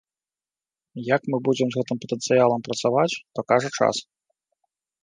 Як мы будзем з гэтым патэнцыялам працаваць, пакажа час.